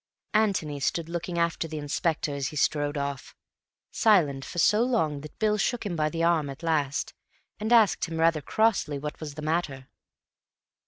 Antony stood looking after the Inspector as he strode off, silent for so long that Bill shook him by the arm at last, and asked him rather crossly what was the matter.